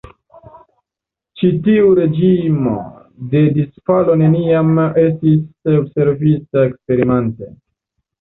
Ĉi tiu reĝimo de disfalo neniam estis observita eksperimente.